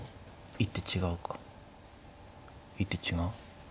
一手違う？